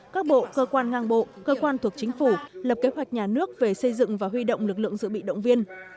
các bộ cơ quan ngang bộ cơ quan thuộc chính phủ lập kế hoạch nhà nước về xây dựng và huy động lực lượng dự bị động viên